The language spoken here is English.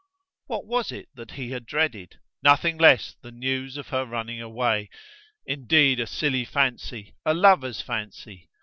What was it that he had dreaded? Nothing less than news of her running away. Indeed a silly fancy, a lover's fancy!